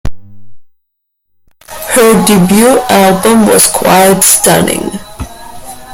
Her debut album was quite stunning.